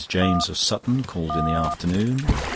James, of Sutton, called in the afternoon.